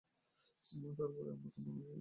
তার পরে আর কোনো নবি আসবে না।